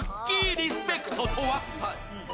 リスペクトとは？